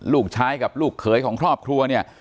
ลูกชายกับลูกเขยของครอบครัวเนี่ย